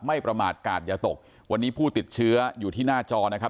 ประมาทกาศอย่าตกวันนี้ผู้ติดเชื้ออยู่ที่หน้าจอนะครับ